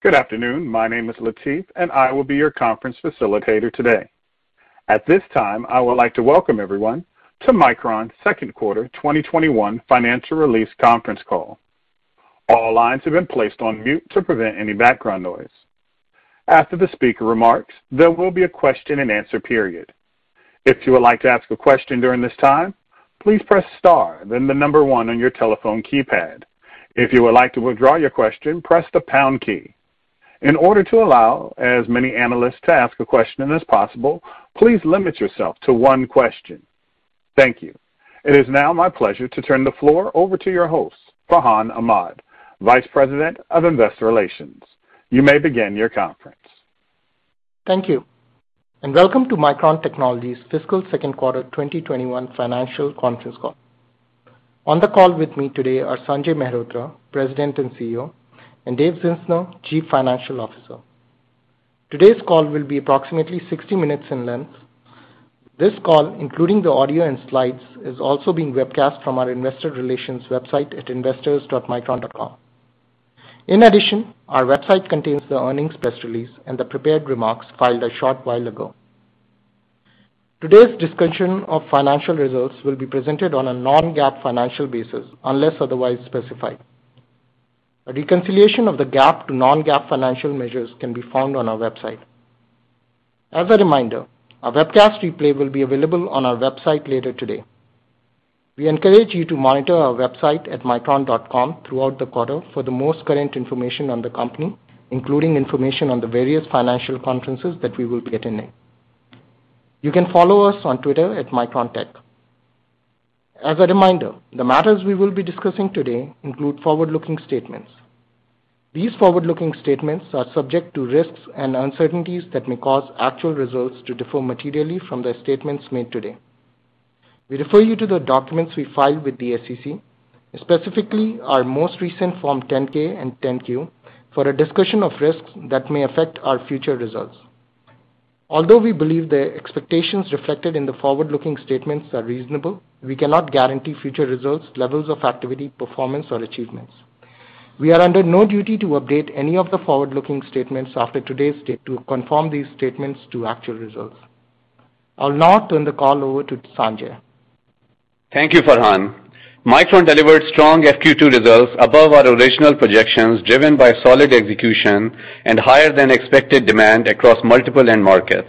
Good afternoon. My name is Latif. I will be your conference facilitator today. At this time, I would like to welcome everyone to Micron's second quarter 2021 financial release conference call. All lines have been placed on mute to prevent any background noise. After the speaker remarks, there will be a question-and-answer period. If you would like to ask a question during this time, please press star, then the number one on your telephone keypad. If you would like to withdraw your question, press the pound key. In order to allow as many analysts to ask a question as possible, please limit yourself to one question. Thank you. It is now my pleasure to turn the floor over to your host, Farhan Ahmad, Vice President of Investor Relations. You may begin your conference. Thank you, and welcome to Micron Technology's fiscal second quarter 2021 financial conference call. On the call with me today are Sanjay Mehrotra, President and CEO, and Dave Zinsner, Chief Financial Officer. Today's call will be approximately 60 minutes in length. This call, including the audio and slides, is also being webcast from our investor relations website at investors.micron.com. Our website contains the earnings press release and the prepared remarks filed a short while ago. Today's discussion of financial results will be presented on a non-GAAP financial basis, unless otherwise specified. A reconciliation of the GAAP to non-GAAP financial measures can be found on our website. As a reminder, a webcast replay will be available on our website later today. We encourage you to monitor our website at micron.com throughout the quarter for the most current information on the company, including information on the various financial conferences that we will be attending. You can follow us on Twitter at MicronTech. As a reminder, the matters we will be discussing today include forward-looking statements. These forward-looking statements are subject to risks and uncertainties that may cause actual results to differ materially from the statements made today. We refer you to the documents we filed with the SEC, specifically our most recent Form 10-K and 10-Q, for a discussion of risks that may affect our future results. Although we believe the expectations reflected in the forward-looking statements are reasonable, we cannot guarantee future results, levels of activity, performance, or achievements. We are under no duty to update any of the forward-looking statements after today's date or to confirm these statements to actual results. I'll now turn the call over to Sanjay. Thank you, Farhan. Micron delivered strong FQ2 results above our original projections, driven by solid execution and higher than expected demand across multiple end markets.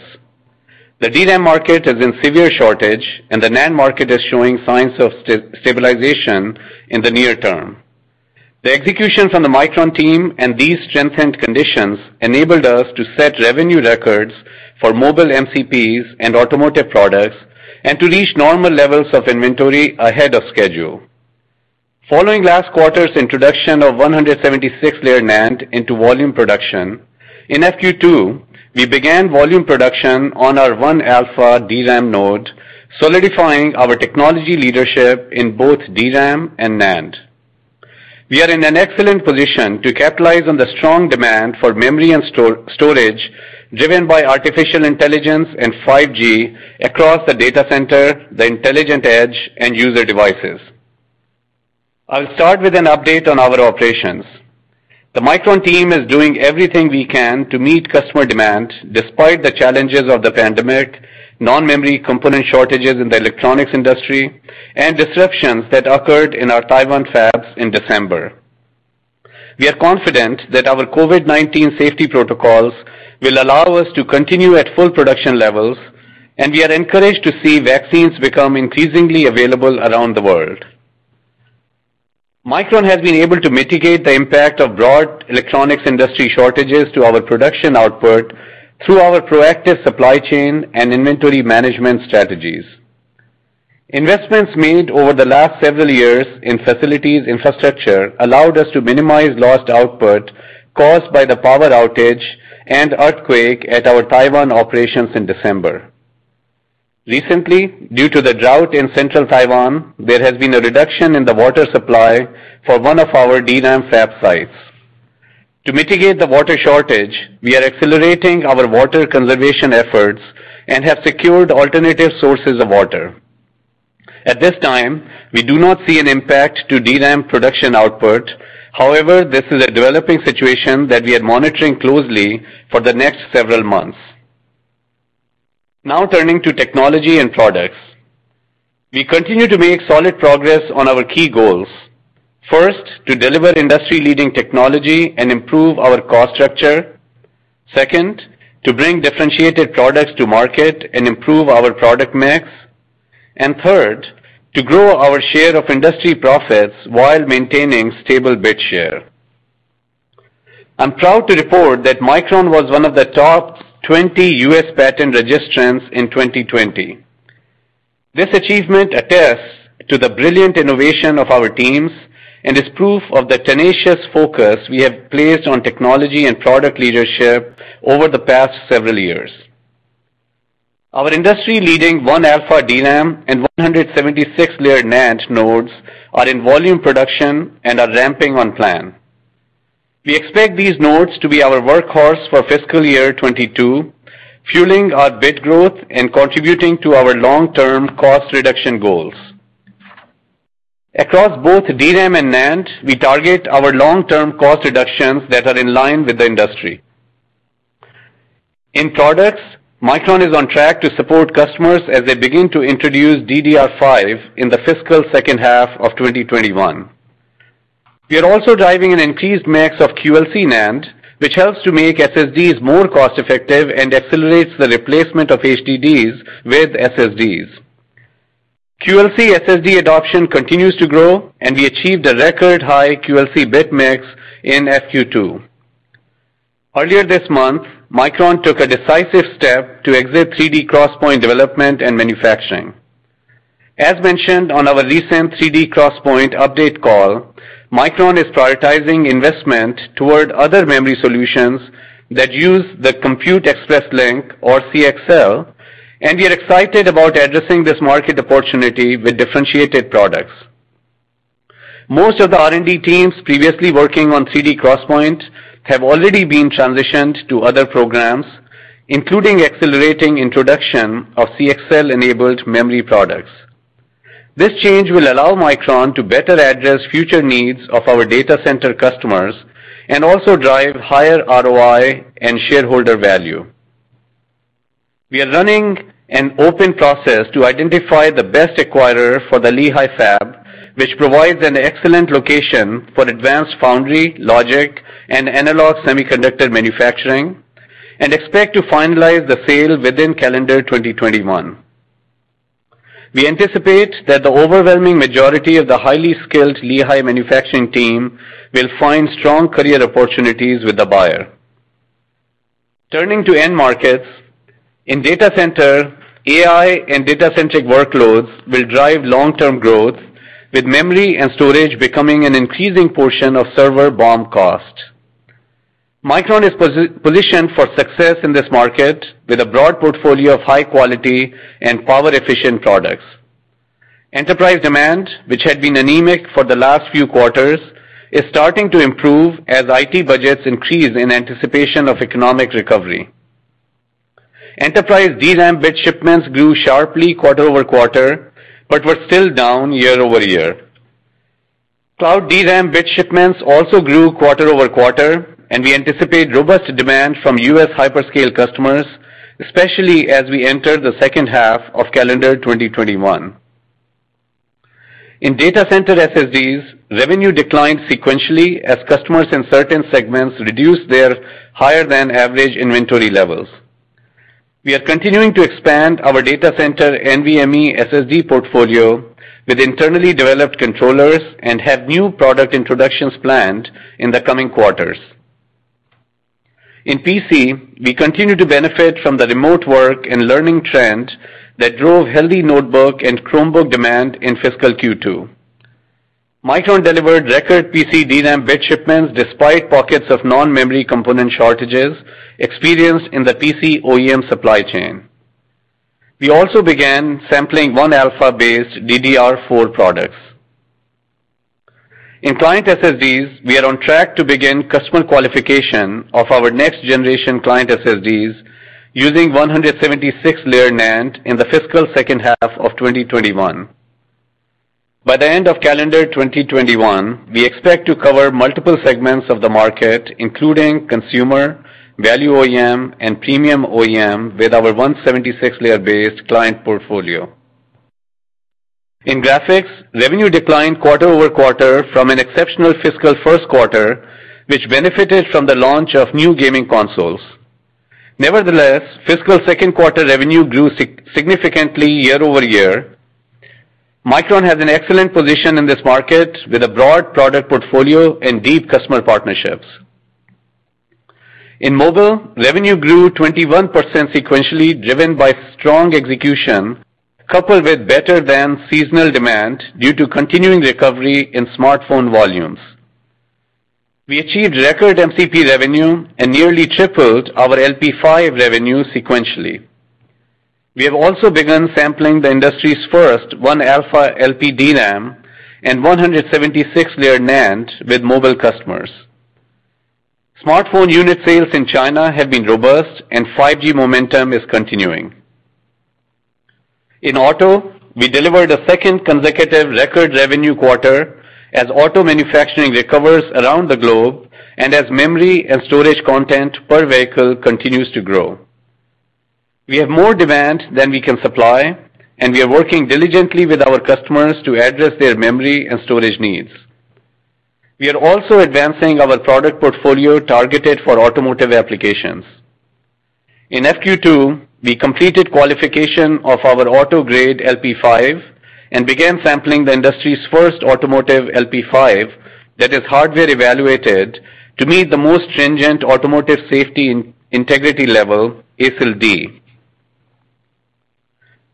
The DRAM market is in severe shortage, and the NAND market is showing signs of stabilization in the near term. The execution from the Micron team and these strengthened conditions enabled us to set revenue records for mobile MCPs and automotive products and to reach normal levels of inventory ahead of schedule. Following last quarter's introduction of 176-layer NAND into volume production, in FQ2, we began volume production on our 1α DRAM node, solidifying our technology leadership in both DRAM and NAND. We are in an excellent position to capitalize on the strong demand for memory and storage driven by artificial intelligence and 5G across the data center, the intelligent edge, and user devices. I'll start with an update on our operations. The Micron team is doing everything we can to meet customer demand despite the challenges of the pandemic, non-memory component shortages in the electronics industry, and disruptions that occurred in our Taiwan fabs in December. We are confident that our COVID-19 safety protocols will allow us to continue at full production levels, and we are encouraged to see vaccines become increasingly available around the world. Micron has been able to mitigate the impact of broad electronics industry shortages to our production output through our proactive supply chain and inventory management strategies. Investments made over the last several years in facilities infrastructure allowed us to minimize lost output caused by the power outage and earthquake at our Taiwan operations in December. Recently, due to the drought in central Taiwan, there has been a reduction in the water supply for one of our DRAM fab sites. To mitigate the water shortage, we are accelerating our water conservation efforts and have secured alternative sources of water. At this time, we do not see an impact to DRAM production output. However, this is a developing situation that we are monitoring closely for the next several months. Now turning to technology and products. We continue to make solid progress on our key goals. First, to deliver industry-leading technology and improve our cost structure. Second, to bring differentiated products to market and improve our product mix. Third, to grow our share of industry profits while maintaining stable bit share. I'm proud to report that Micron was one of the top 20 U.S. patent registrants in 2020. This achievement attests to the brilliant innovation of our teams and is proof of the tenacious focus we have placed on technology and product leadership over the past several years. Our industry leading 1α DRAM and 176-layer NAND nodes are in volume production and are ramping on plan. We expect these nodes to be our workhorse for fiscal year 2022, fueling our bit growth and contributing to our long-term cost reduction goals. Across both DRAM and NAND, we target our long-term cost reductions that are in line with the industry. In products, Micron is on track to support customers as they begin to introduce DDR5 in the fiscal second half of 2021. We are also driving an increased mix of QLC NAND, which helps to make SSDs more cost-effective and accelerates the replacement of HDDs with SSDs. QLC SSD adoption continues to grow, and we achieved a record high QLC bit mix in FQ2. Earlier this month, Micron took a decisive step to exit 3D XPoint development and manufacturing. As mentioned on our recent 3D XPoint update call, Micron is prioritizing investment toward other memory solutions that use the Compute Express Link, or CXL, and we are excited about addressing this market opportunity with differentiated products. Most of the R&D teams previously working on 3D XPoint have already been transitioned to other programs, including accelerating introduction of CXL-enabled memory products. This change will allow Micron to better address future needs of our data center customers and also drive higher ROI and shareholder value. We are running an open process to identify the best acquirer for the Lehi fab, which provides an excellent location for advanced foundry, logic, and analog semiconductor manufacturing, and expect to finalize the sale within calendar 2021. We anticipate that the overwhelming majority of the highly skilled Lehi manufacturing team will find strong career opportunities with the buyer. Turning to end markets, in data center, AI and data centric workloads will drive long-term growth, with memory and storage becoming an increasing portion of server BOM cost. Micron is positioned for success in this market with a broad portfolio of high quality and power efficient products. Enterprise demand, which had been anemic for the last few quarters, is starting to improve as IT budgets increase in anticipation of economic recovery. Enterprise DRAM bit shipments grew sharply quarter-over-quarter, but were still down year-over-year. Cloud DRAM bit shipments also grew quarter-over-quarter, and we anticipate robust demand from U.S. hyperscale customers, especially as we enter the second half of calendar 2021. In data center SSDs, revenue declined sequentially as customers in certain segments reduced their higher than average inventory levels. We are continuing to expand our data center NVMe SSD portfolio with internally developed controllers and have new product introductions planned in the coming quarters. In PC, we continue to benefit from the remote work and learning trend that drove healthy Notebook and Chromebook demand in fiscal Q2. Micron delivered record PC DRAM bit shipments despite pockets of non-memory component shortages experienced in the PC OEM supply chain. We also began sampling 1α-based DDR4 products. In client SSDs, we are on track to begin customer qualification of our next generation client SSDs using 176-layer NAND in the fiscal second half of 2021. By the end of calendar 2021, we expect to cover multiple segments of the market, including consumer, value OEM, and premium OEM, with our 176-layer based client portfolio. In graphics, revenue declined quarter-over-quarter from an exceptional fiscal first quarter, which benefited from the launch of new gaming consoles. Nevertheless, fiscal second quarter revenue grew significantly year-over-year. Micron has an excellent position in this market with a broad product portfolio and deep customer partnerships. In mobile, revenue grew 21% sequentially, driven by strong execution coupled with better than seasonal demand due to continuing recovery in smartphone volumes. We achieved record MCP revenue and nearly tripled our LP5 revenue sequentially. We have also begun sampling the industry's first 1α LPDRAM and 176-layer NAND with mobile customers. Smartphone unit sales in China have been robust and 5G momentum is continuing. In auto, we delivered a second consecutive record revenue quarter as auto manufacturing recovers around the globe and as memory and storage content per vehicle continues to grow. We have more demand than we can supply. We are working diligently with our customers to address their memory and storage needs. We are also advancing our product portfolio targeted for automotive applications. In FQ2, we completed qualification of our auto grade LP5 and began sampling the industry's first automotive LP5 that is hardware evaluated to meet the most stringent automotive safety integrity level, ASIL D.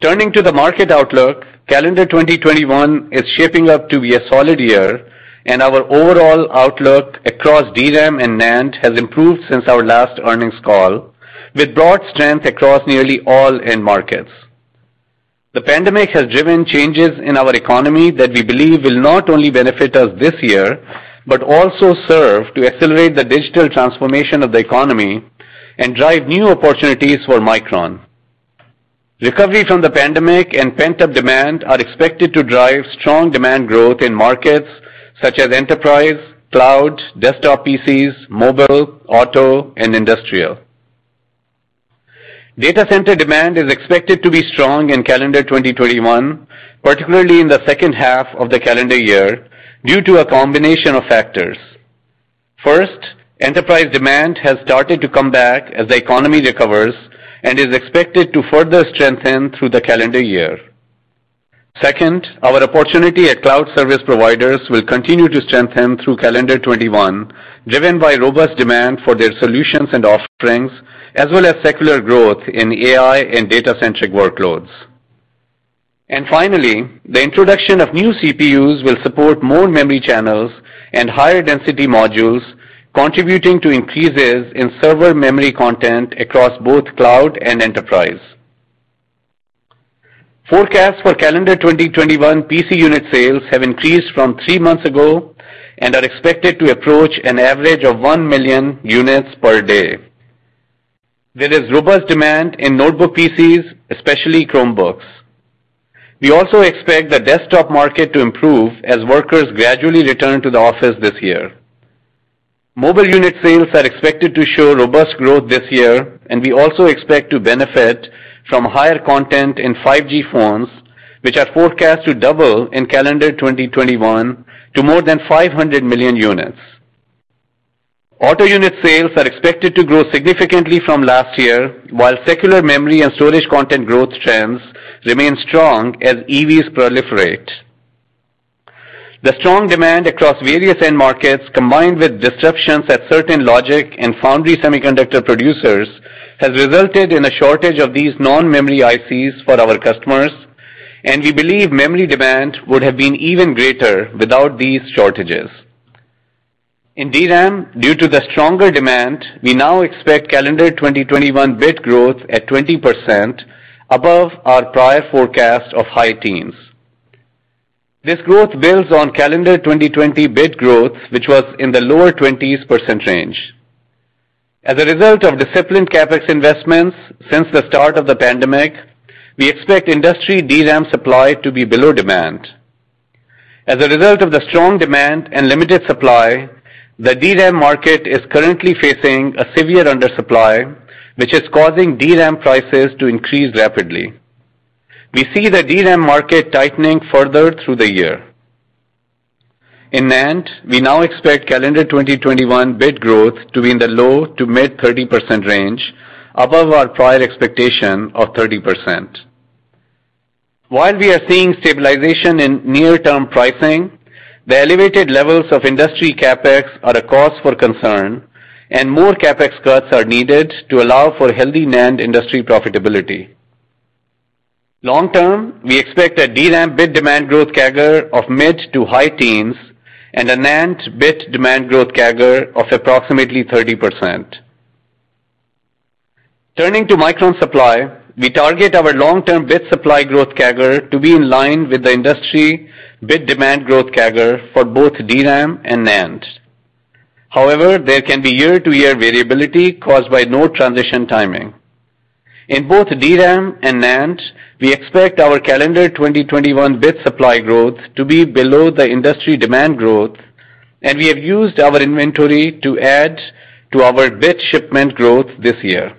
Turning to the market outlook, calendar 2021 is shaping up to be a solid year. Our overall outlook across DRAM and NAND has improved since our last earnings call, with broad strength across nearly all end markets. The pandemic has driven changes in our economy that we believe will not only benefit us this year, but also serve to accelerate the digital transformation of the economy and drive new opportunities for Micron. Recovery from the pandemic and pent-up demand are expected to drive strong demand growth in markets such as enterprise, cloud, desktop PCs, mobile, auto, and industrial. data center demand is expected to be strong in calendar 2021, particularly in the second half of the calendar year, due to a combination of factors. First, enterprise demand has started to come back as the economy recovers and is expected to further strengthen through the calendar year. Second, our opportunity at cloud service providers will continue to strengthen through calendar 2021, driven by robust demand for their solutions and offerings, as well as secular growth in AI and data-centric workloads. Finally, the introduction of new CPUs will support more memory channels and higher density modules, contributing to increases in server memory content across both cloud and enterprise. Forecasts for calendar 2021 PC unit sales have increased from three months ago and are expected to approach an average of 1 million units per day. There is robust demand in notebook PCs, especially Chromebooks. We also expect the desktop market to improve as workers gradually return to the office this year. Mobile unit sales are expected to show robust growth this year, and we also expect to benefit from higher content in 5G phones, which are forecast to double in calendar 2021 to more than 500 million units. Auto unit sales are expected to grow significantly from last year, while secular memory and storage content growth trends remain strong as EVs proliferate. The strong demand across various end markets, combined with disruptions at certain logic and foundry semiconductor producers, has resulted in a shortage of these non-memory ICs for our customers, and we believe memory demand would have been even greater without these shortages. In DRAM, due to the stronger demand, we now expect calendar 2021 bit growth at 20% above our prior forecast of high teens. This growth builds on calendar 2020 bit growth, which was in the lower 20s percentage range. As a result of disciplined CapEx investments since the start of the pandemic, we expect industry DRAM supply to be below demand. As a result of the strong demand and limited supply, the DRAM market is currently facing a severe undersupply, which is causing DRAM prices to increase rapidly. We see the DRAM market tightening further through the year. In NAND, we now expect calendar 2021 bit growth to be in the low to mid 30% range above our prior expectation of 30%. While we are seeing stabilization in near-term pricing, the elevated levels of industry CapEx are a cause for concern. More CapEx cuts are needed to allow for healthy NAND industry profitability. Long term, we expect a DRAM bit demand growth CAGR of mid to high teens and a NAND bit demand growth CAGR of approximately 30%. Turning to Micron supply, we target our long-term bit supply growth CAGR to be in line with the industry bit demand growth CAGR for both DRAM and NAND. However, there can be year-to-year variability caused by node transition timing. In both DRAM and NAND, we expect our calendar 2021 bit supply growth to be below the industry demand growth, and we have used our inventory to add to our bit shipment growth this year.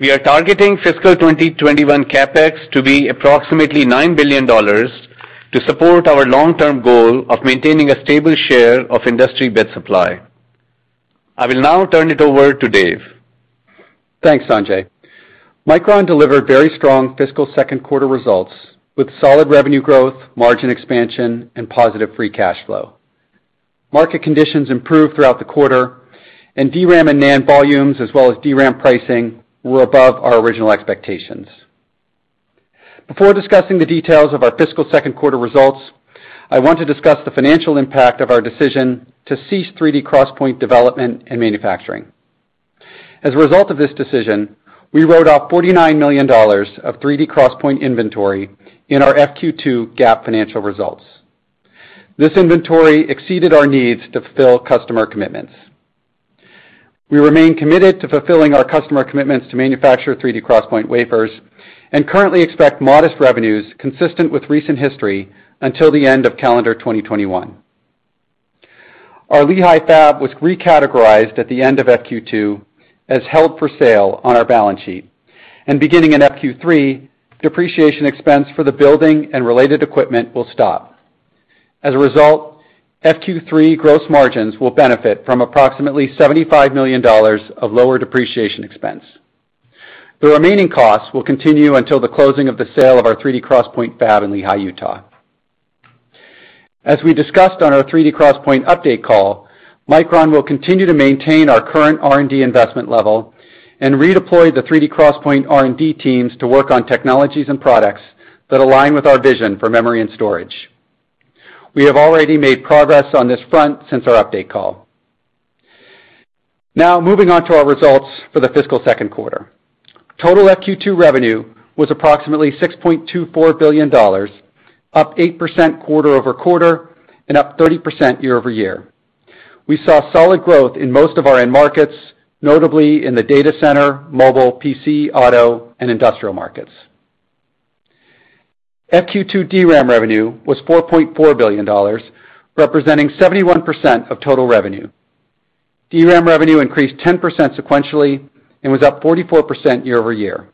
We are targeting fiscal 2021 CapEx to be approximately $9 billion to support our long-term goal of maintaining a stable share of industry bit supply. I will now turn it over to Dave. Thanks, Sanjay. Micron delivered very strong fiscal second quarter results with solid revenue growth, margin expansion, and positive free cash flow. Market conditions improved throughout the quarter, and DRAM and NAND volumes as well as DRAM pricing were above our original expectations. Before discussing the details of our fiscal second quarter results, I want to discuss the financial impact of our decision to cease 3D XPoint development and manufacturing. As a result of this decision, we wrote off $49 million of 3D XPoint inventory in our FQ2 GAAP financial results. This inventory exceeded our needs to fulfill customer commitments. We remain committed to fulfilling our customer commitments to manufacture 3D XPoint wafers and currently expect modest revenues consistent with recent history until the end of calendar 2021. Our Lehi fab was recategorized at the end of FQ2 as held for sale on our balance sheet. Beginning in FQ3, depreciation expense for the building and related equipment will stop. As a result, FQ3 gross margins will benefit from approximately $75 million of lower depreciation expense. The remaining costs will continue until the closing of the sale of our 3D XPoint fab in Lehi, Utah. As we discussed on our 3D XPoint update call, Micron will continue to maintain our current R&D investment level and redeploy the 3D XPoint R&D teams to work on technologies and products that align with our vision for memory and storage. We have already made progress on this front since our update call. Now, moving on to our results for the fiscal second quarter. Total FQ2 revenue was approximately $6.24 billion, up 8% quarter-over-quarter and up 30% year-over-year. We saw solid growth in most of our end markets, notably in the data center, mobile, PC, auto, and industrial markets. FQ2 DRAM revenue was $4.4 billion, representing 71% of total revenue. DRAM revenue increased 10% sequentially and was up 44% year-over-year.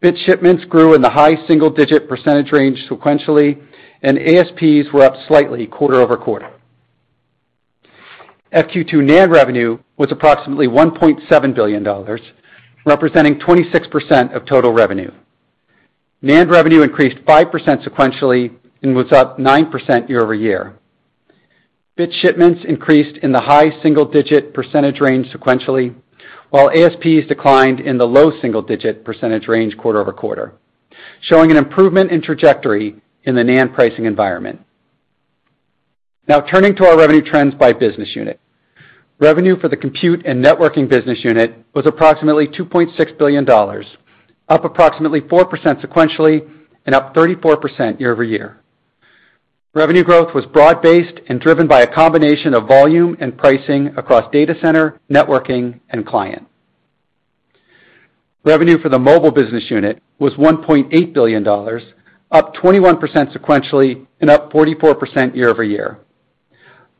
Bit shipments grew in the high single-digit percentage range sequentially, and ASPs were up slightly quarter-over-quarter. FQ2 NAND revenue was approximately $1.7 billion, representing 26% of total revenue. NAND revenue increased 5% sequentially and was up 9% year-over-year. Bit shipments increased in the high single-digit percentage range sequentially, while ASPs declined in the low single-digit percentage range quarter-over-quarter, showing an improvement in trajectory in the NAND pricing environment. Now turning to our revenue trends by business unit. Revenue for the Compute and Networking Business Unit was approximately $2.6 billion, up approximately 4% sequentially and up 34% year-over-year. Revenue growth was broad-based and driven by a combination of volume and pricing across data center, networking, and client. Revenue for the Mobile Business Unit was $1.8 billion, up 21% sequentially and up 44% year-over-year.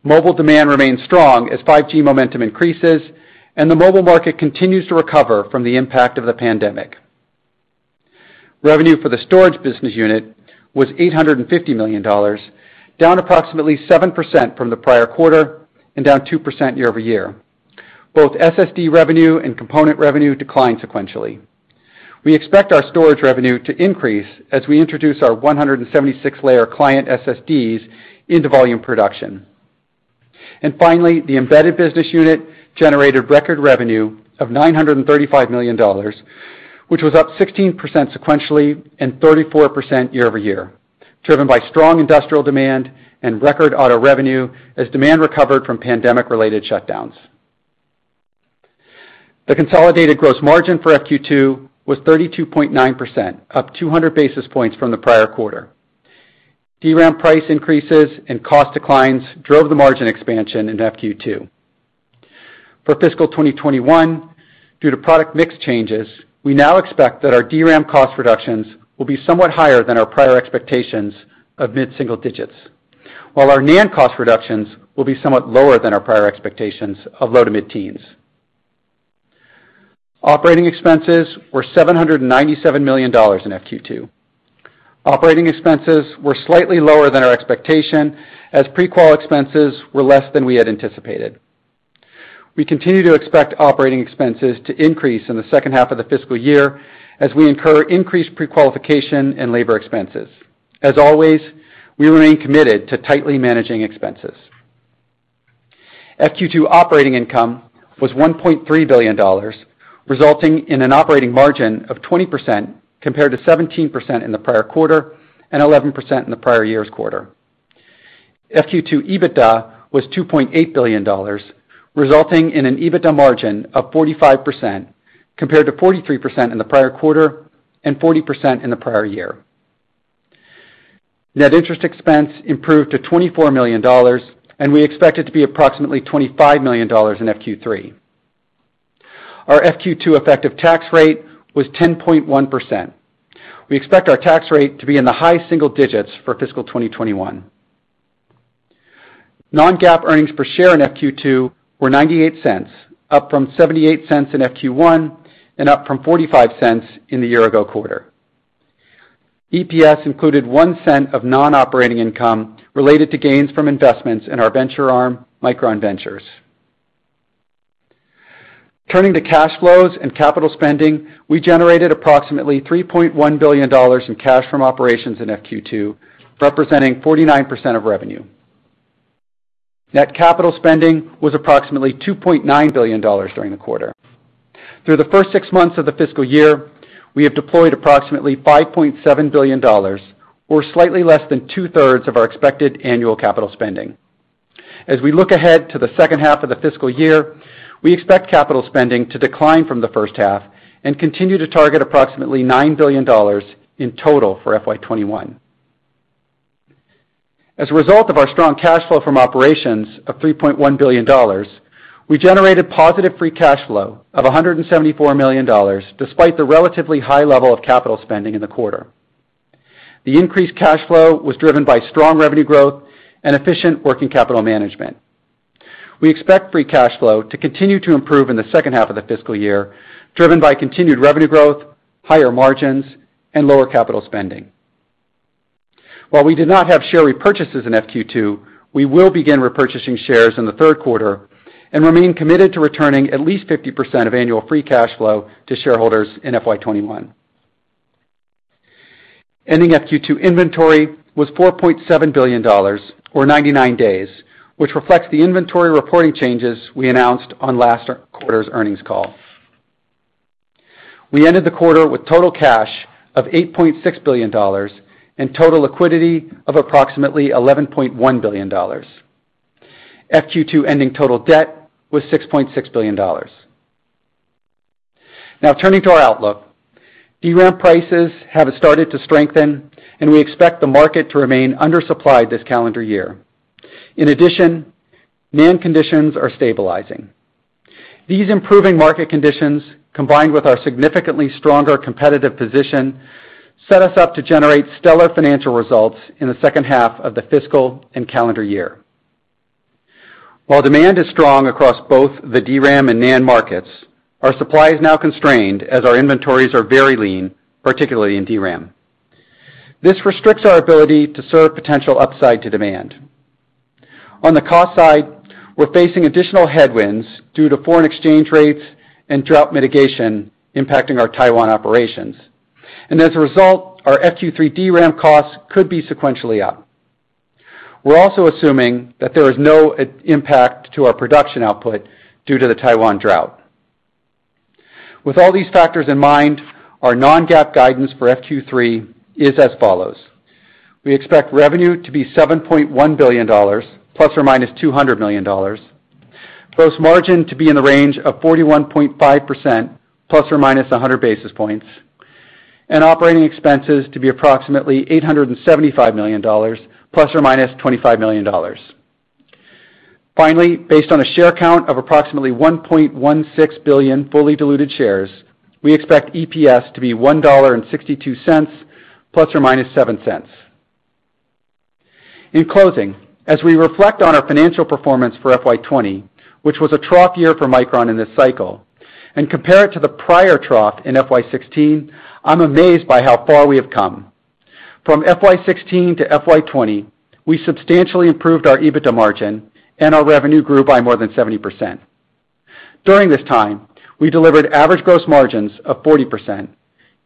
Mobile demand remains strong as 5G momentum increases and the mobile market continues to recover from the impact of the pandemic. Revenue for the Storage Business Unit was $850 million, down approximately 7% from the prior quarter and down 2% year-over-year. Both SSD revenue and component revenue declined sequentially. We expect our storage revenue to increase as we introduce our 176-layer client SSDs into volume production. Finally, the Embedded Business Unit generated record revenue of $935 million, which was up 16% sequentially and 34% year-over-year, driven by strong industrial demand and record auto revenue as demand recovered from pandemic-related shutdowns. The consolidated gross margin for FQ2 was 32.9%, up 200 basis points from the prior quarter. DRAM price increases and cost declines drove the margin expansion in FQ2. For fiscal 2021, due to product mix changes, we now expect that our DRAM cost reductions will be somewhat higher than our prior expectations of mid-single digits, while our NAND cost reductions will be somewhat lower than our prior expectations of low to mid-teens. Operating expenses were $797 million in FQ2. Operating expenses were slightly lower than our expectation as pre-qual expenses were less than we had anticipated. We continue to expect operating expenses to increase in the second half of the fiscal year as we incur increased pre-qualification and labor expenses. As always, we remain committed to tightly managing expenses. FQ2 operating income was $1.3 billion, resulting in an operating margin of 20%, compared to 17% in the prior quarter and 11% in the prior year's quarter. FQ2 EBITDA was $2.8 billion, resulting in an EBITDA margin of 45%, compared to 43% in the prior quarter and 40% in the prior year. Net interest expense improved to $24 million, and we expect it to be approximately $25 million in FQ3. Our FQ2 effective tax rate was 10.1%. We expect our tax rate to be in the high single digits for fiscal 2021. non-GAAP earnings per share in FQ2 were $0.98, up from $0.78 in FQ1 and up from $0.45 in the year-ago quarter. EPS included $0.01 of non-operating income related to gains from investments in our venture arm, Micron Ventures. Turning to cash flows and capital spending, we generated approximately $3.1 billion in cash from operations in FQ2, representing 49% of revenue. Net capital spending was approximately $2.9 billion during the quarter. Through the first six months of the fiscal year, we have deployed approximately $5.7 billion, or slightly less than 2/3 of our expected annual capital spending. As we look ahead to the second half of the fiscal year, we expect capital spending to decline from the first half and continue to target approximately $9 billion in total for FY 2021. As a result of our strong cash flow from operations of $3.1 billion, we generated positive free cash flow of $174 million, despite the relatively high level of capital spending in the quarter. The increased cash flow was driven by strong revenue growth and efficient working capital management. We expect free cash flow to continue to improve in the second half of the fiscal year, driven by continued revenue growth, higher margins, and lower capital spending. While we did not have share repurchases in FQ2, we will begin repurchasing shares in the third quarter and remain committed to returning at least 50% of annual free cash flow to shareholders in FY 2021. Ending FQ2 inventory was $4.7 billion, or 99 days, which reflects the inventory reporting changes we announced on last quarter's earnings call. We ended the quarter with total cash of $8.6 billion and total liquidity of approximately $11.1 billion. FQ2 ending total debt was $6.6 billion. Turning to our outlook. DRAM prices have started to strengthen, and we expect the market to remain undersupplied this calendar year. In addition, NAND conditions are stabilizing. These improving market conditions, combined with our significantly stronger competitive position, set us up to generate stellar financial results in the second half of the fiscal and calendar year. While demand is strong across both the DRAM and NAND markets, our supply is now constrained as our inventories are very lean, particularly in DRAM. This restricts our ability to serve potential upside to demand. On the cost side, we're facing additional headwinds due to foreign exchange rates and drought mitigation impacting our Taiwan operations. As a result, our FQ3 DRAM costs could be sequentially up. We're also assuming that there is no impact to our production output due to the Taiwan drought. With all these factors in mind, our non-GAAP guidance for FQ3 is as follows. We expect revenue to be $7.1 billion ±$200 million, gross margin to be in the range of 41.5% ±100 basis points, and operating expenses to be approximately $875 million, ±$25 million. Finally, based on a share count of approximately 1.16 billion fully diluted shares, we expect EPS to be $1.62 ±$0.07. In closing, as we reflect on our financial performance for FY 2020, which was a trough year for Micron in this cycle, and compare it to the prior trough in FY 2016, I'm amazed by how far we have come. From FY 2016 to FY 2020, we substantially improved our EBITDA margin, and our revenue grew by more than 70%. During this time, we delivered average gross margins of 40%,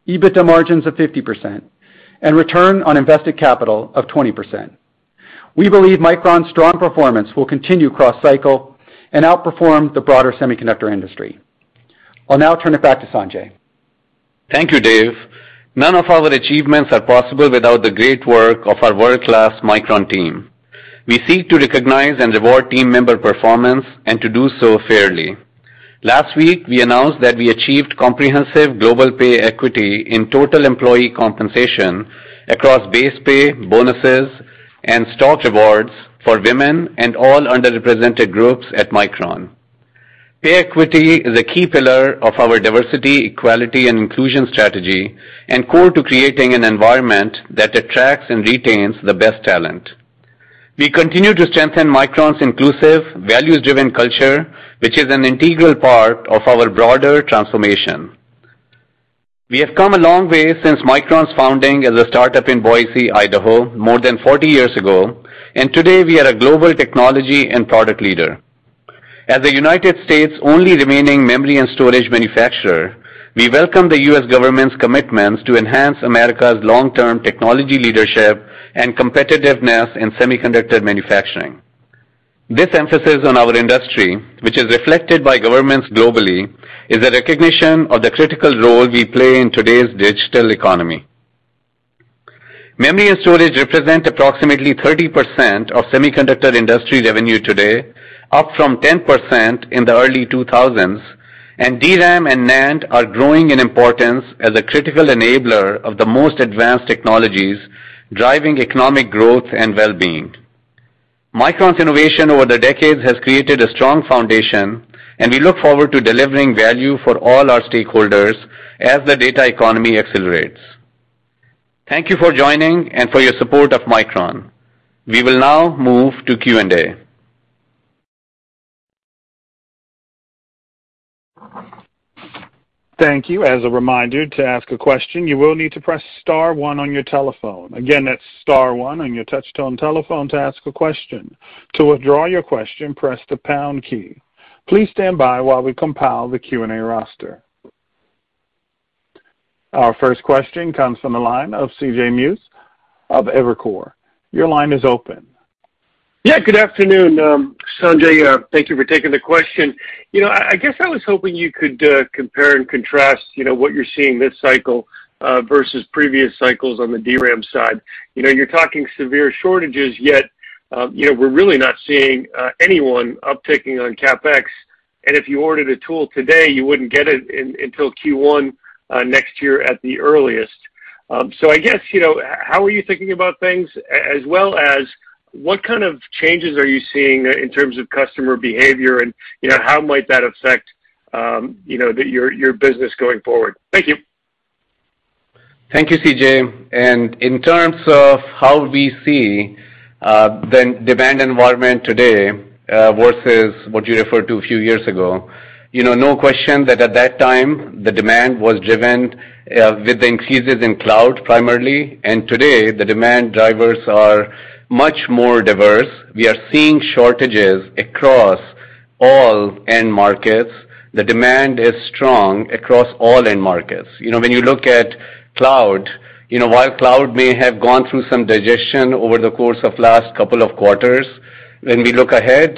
EBITDA margins of 50%, and return on invested capital of 20%. We believe Micron's strong performance will continue cross-cycle and outperform the broader semiconductor industry. I'll now turn it back to Sanjay. Thank you, Dave. None of our achievements are possible without the great work of our world-class Micron team. We seek to recognize and reward team member performance and to do so fairly. Last week, we announced that we achieved comprehensive global pay equity in total employee compensation across base pay, bonuses, and stock rewards for women and all underrepresented groups at Micron. Pay equity is a key pillar of our diversity, equality, and inclusion strategy and core to creating an environment that attracts and retains the best talent. We continue to strengthen Micron's inclusive, values-driven culture, which is an integral part of our broader transformation. We have come a long way since Micron's founding as a startup in Boise, Idaho, more than 40 years ago, and today we are a global technology and product leader. As the United States' only remaining memory and storage manufacturer, we welcome the U.S. government's commitments to enhance America's long-term technology leadership and competitiveness in semiconductor manufacturing. This emphasis on our industry, which is reflected by governments globally, is a recognition of the critical role we play in today's digital economy. Memory and storage represent approximately 30% of semiconductor industry revenue today, up from 10% in the early 2000s, and DRAM and NAND are growing in importance as a critical enabler of the most advanced technologies, driving economic growth and well-being. Micron's innovation over the decades has created a strong foundation, and we look forward to delivering value for all our stakeholders as the data economy accelerates. Thank you for joining and for your support of Micron. We will now move to Q&A. Thank you. As a reminder, to ask a question, you will need to press star one on your telephone. Again, that's star one on your touch-tone telephone to ask a question. To withdraw your question, press the pound key. Please stand by while we compile the Q&A roster. Our first question comes from the line of CJ Muse of Evercore. Your line is open. Yeah, good afternoon, Sanjay. Thank you for taking the question. I guess I was hoping you could compare and contrast what you're seeing this cycle versus previous cycles on the DRAM side. You're talking severe shortages, yet we're really not seeing anyone uptaking on CapEx. If you ordered a tool today, you wouldn't get it until Q1 next year at the earliest. I guess, how are you thinking about things? As well as, what kind of changes are you seeing in terms of customer behavior, and how might that affect your business going forward? Thank you. Thank you, CJ. In terms of how we see the demand environment today versus what you referred to a few years ago, no question that at that time, the demand was driven with the increases in cloud primarily. Today, the demand drivers are much more diverse. We are seeing shortages across all end markets. The demand is strong across all end markets. When you look at cloud. While cloud may have gone through some digestion over the course of last couple of quarters, when we look ahead,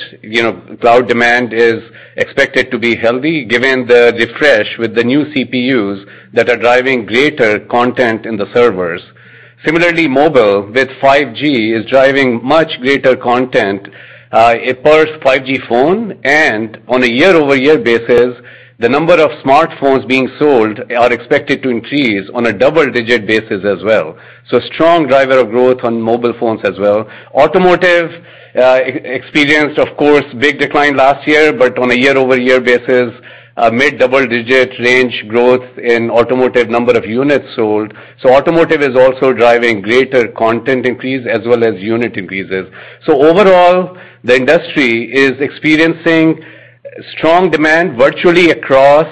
cloud demand is expected to be healthy given the refresh with the new CPUs that are driving greater content in the servers. Similarly, mobile with 5G is driving much greater content per 5G phone and on a year-over-year basis, the number of smartphones being sold are expected to increase on a double-digit basis as well. Strong driver of growth on mobile phones as well. Automotive, experienced, of course, big decline last year, but on a year-over-year basis, a mid-double-digit range growth in automotive number of units sold. Automotive is also driving greater content increase as well as unit increases. Overall, the industry is experiencing strong demand virtually across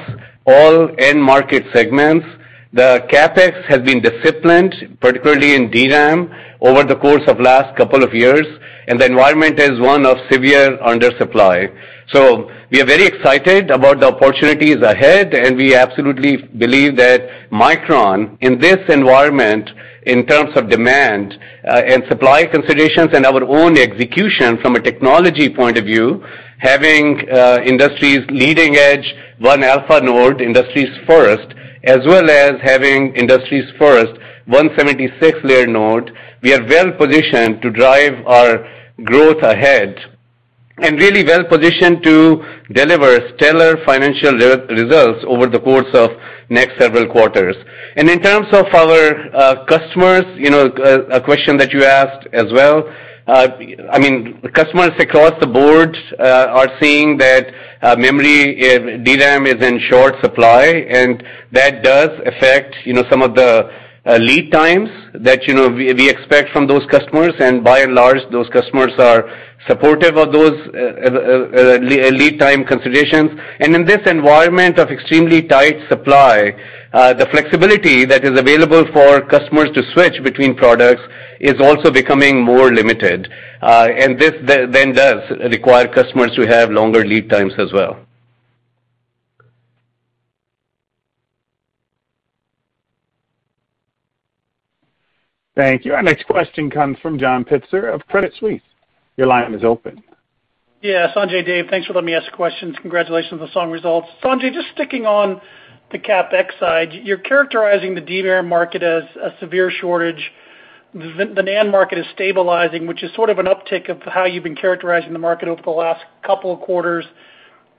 all end market segments. The CapEx has been disciplined, particularly in DRAM over the course of last couple of years, and the environment is one of severe undersupply. We are very excited about the opportunities ahead, and we absolutely believe that Micron, in this environment, in terms of demand and supply considerations and our own execution from a technology point of view, having industry's leading edge 1α node industry's first, as well as having industry's first 176-layer node, we are well-positioned to drive our growth ahead and really well-positioned to deliver stellar financial results over the course of next several quarters. In terms of our customers, a question that you asked as well, customers across the board are seeing that memory, DRAM is in short supply, and that does affect some of the lead times that we expect from those customers. By and large, those customers are supportive of those lead time considerations. In this environment of extremely tight supply, the flexibility that is available for customers to switch between products is also becoming more limited. This then does require customers to have longer lead times as well. Thank you. Our next question comes from John Pitzer of Credit Suisse. Your line is open. Sanjay, Dave, thanks for letting me ask questions. Congratulations on the strong results. Sanjay, just sticking on the CapEx side, you're characterizing the DRAM market as a severe shortage. The NAND market is stabilizing, which is sort of an uptick of how you've been characterizing the market over the last couple of quarters.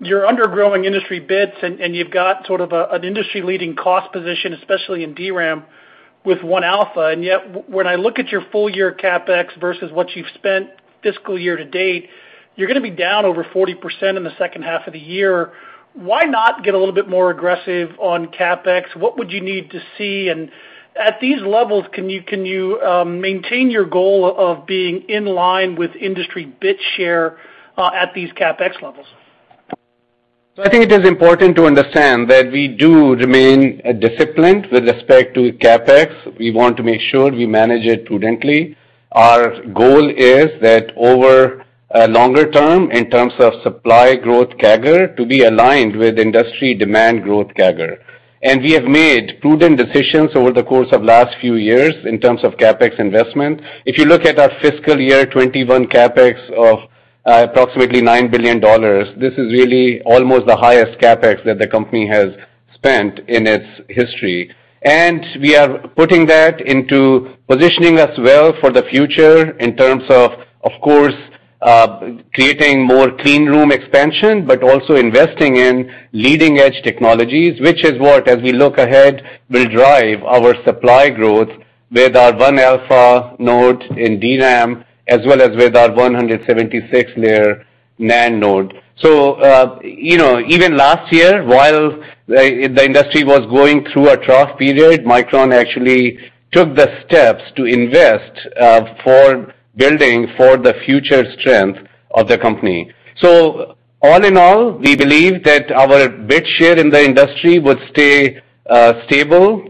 You're undergrowing industry bits and you've got sort of an industry-leading cost position, especially in DRAM with 1α, yet, when I look at your full year CapEx versus what you've spent fiscal year to date, you're going to be down over 40% in the second half of the year. Why not get a little bit more aggressive on CapEx? What would you need to see? At these levels, can you maintain your goal of being in line with industry bit share at these CapEx levels? I think it is important to understand that we do remain disciplined with respect to CapEx. We want to make sure we manage it prudently. Our goal is that over a longer term, in terms of supply growth CAGR, to be aligned with industry demand growth CAGR. We have made prudent decisions over the course of last few years in terms of CapEx investment. If you look at our FY 2021 CapEx of approximately $9 billion, this is really almost the highest CapEx that the company has spent in its history. We are putting that into positioning us well for the future in terms of course, creating more clean room expansion, but also investing in leading edge technologies, which is what, as we look ahead, will drive our supply growth with our 1α node in DRAM, as well as with our 176-layer NAND node. Even last year, while the industry was going through a trough period, Micron actually took the steps to invest for building for the future strength of the company. All in all, we believe that our bit share in the industry would stay stable.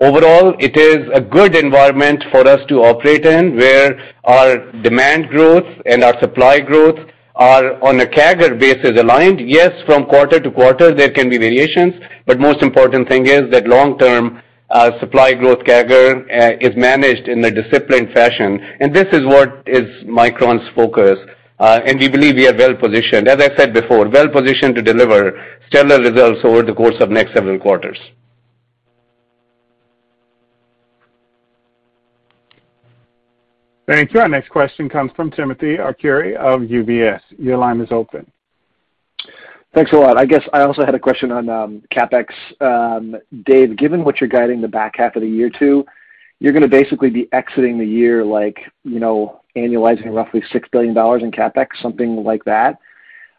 Overall, it is a good environment for us to operate in, where our demand growth and our supply growth are on a CAGR basis, aligned. Yes, from quarter to quarter, there can be variations, but most important thing is that long-term supply growth CAGR is managed in a disciplined fashion, and this is what is Micron's focus. We believe we are well-positioned. As I said before, well-positioned to deliver stellar results over the course of next several quarters. Thank you. Our next question comes from Timothy Arcuri of UBS. Your line is open. Thanks a lot. I guess I also had a question on CapEx. Dave, given what you're guiding the back half of the year to, you're going to basically be exiting the year annualizing roughly $6 billion in CapEx, something like that.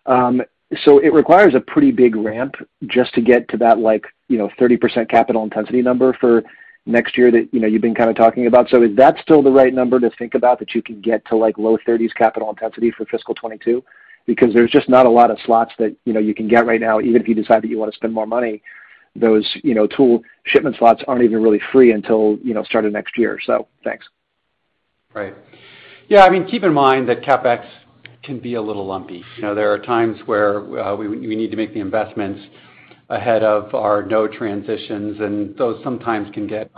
It requires a pretty big ramp just to get to that 30% capital intensity number for next year that you've been kind of talking about. Is that still the right number to think about that you can get to low 30s capital intensity for fiscal 2022? There's just not a lot of slots that you can get right now, even if you decide that you want to spend more money. Those tool shipment slots aren't even really free until start of next year. Thanks. Right. Yeah, keep in mind that CapEx can be a little lumpy. There are times where we need to make the investments ahead of our node transitions, and those sometimes can get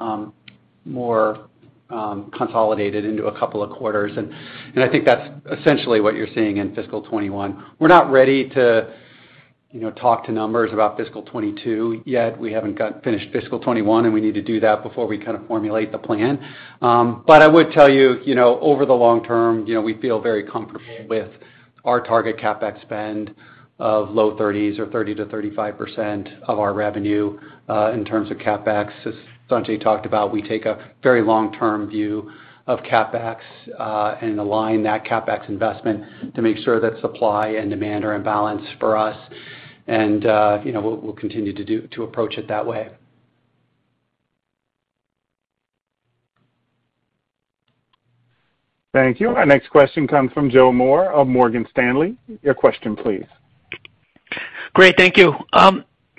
more consolidated into a couple of quarters. I think that's essentially what you're seeing in fiscal 2021. We're not ready to talk to numbers about fiscal 2022 yet. We haven't finished fiscal 2021, we need to do that before we formulate the plan. I would tell you, over the long term, we feel very comfortable with our target CapEx spend of low 30s or 30%-35% of our revenue. In terms of CapEx, as Sanjay talked about, we take a very long-term view of CapEx and align that CapEx investment to make sure that supply and demand are in balance for us. We'll continue to approach it that way. Thank you. Our next question comes from Joe Moore of Morgan Stanley. Your question please. Great. Thank you.